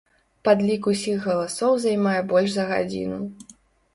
Падлік усіх галасоў займае больш за гадзіну.